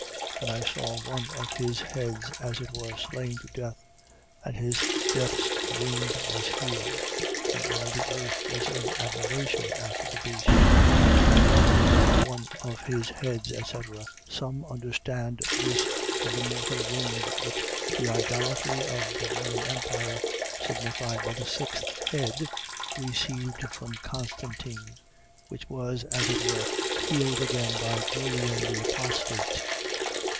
13:3. And I saw one of his heads as it were slain to death: and his death's wound was healed. And all the earth was in admiration after the beast. One of his heads, etc. . .Some understand this of the mortal wound, which the idolatry of the Roman empire (signified by the sixth head) received from Constantine; which was, as it were, healed again by Julian the Apostate.